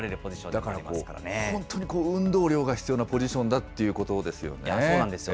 だから、本当に運動量が必要なポジションだということですよそうなんですよ。